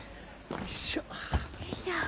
よいしょ。